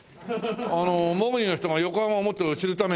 あの潜りの人が横浜をもっと知るために。